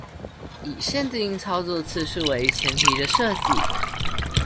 以限定操作次數為前提的設計